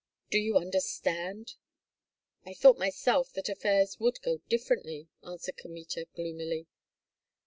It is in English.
Do you understand?" "I thought myself that affairs would go differently," answered Kmita, gloomily.